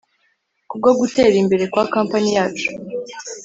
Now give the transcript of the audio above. kubwo gutera imbere kwa company yacu